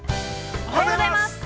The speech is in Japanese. ◆おはようございます。